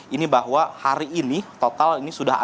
ini bahwa hari ini total ini sudah ada